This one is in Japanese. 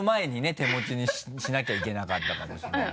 手持ちにしなきゃいけなかったかもしれない。